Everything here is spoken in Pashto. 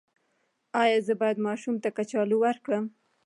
ایا زه باید ماشوم ته کچالو ورکړم؟